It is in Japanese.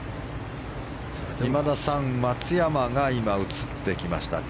今田さん、松山が今、映ってきました。